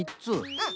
うん。